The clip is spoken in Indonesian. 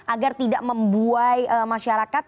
agar tidak membuai masyarakat